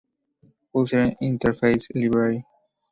User Interface Library.